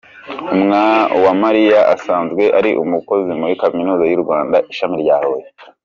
Uwamariya asanzwe ari umukozi muri Kaminuza y’u Rwanda, ishami rya Huye.